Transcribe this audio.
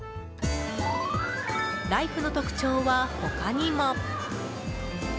ライフの特徴は他にも。